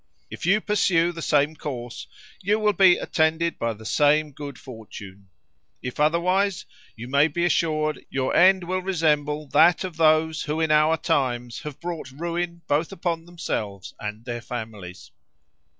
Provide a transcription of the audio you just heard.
If you pursue the same course, you will be attended by the same good fortune; if otherwise, you may be assured, your end will resemble that of those who in our own times have brought ruin both upon themselves and their families."